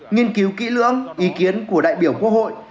nghiên cứu kỹ lưỡng ý kiến của đại biểu quốc hội